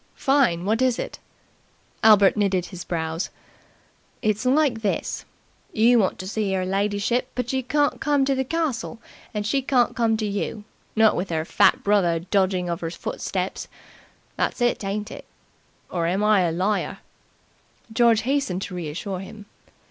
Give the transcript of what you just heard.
"Fine! What is it?" Albert knitted his brows. "It's like this. You want to see 'er lidyship, but you can't come to the castle, and she can't come to you not with 'er fat brother dogging of 'er footsteps. That's it, ain't it? Or am I a liar?" George hastened to reassure him.